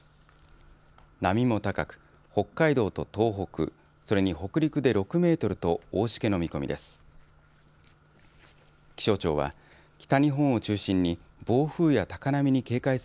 波も高く、北海道と東北、それに北陸で６メートルと大しけの見込みです。